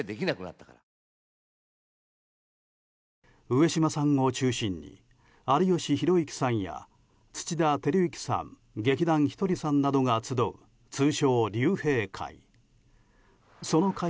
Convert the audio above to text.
上島さんを中心に有吉弘行さんや土田晃之さん劇団ひとりさんなどが集う通称、竜兵会。